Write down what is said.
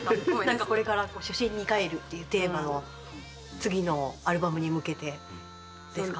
これから初心にかえるっていうテーマを次のアルバムに向けてですか？